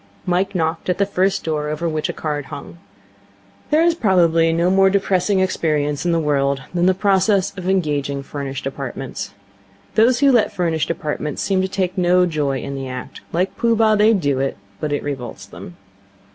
Mike knocked at the first door over which a card hung. There is probably no more depressing experience in the world than the process of engaging furnished apartments. Those who let furnished apartments seem to take no joy in the act. Like Pooh Bah, they do it, but it revolts them.